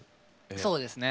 そうですね。